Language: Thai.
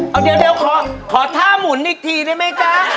เอาเดี๋ยวขอขอท่าหมุนอีกทีได้มั้ยคะ